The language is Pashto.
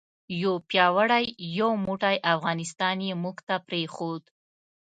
یو پیاوړی یو موټی افغانستان یې موږ ته پرېښود.